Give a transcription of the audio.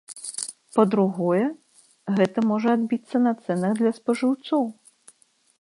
Па-другое, гэта можа адбіцца на цэнах для спажыўцоў.